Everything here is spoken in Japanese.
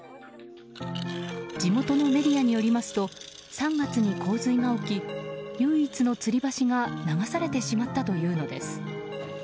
地元のメディアによりますと３月に洪水が起き唯一のつり橋が流されてしまったというのです。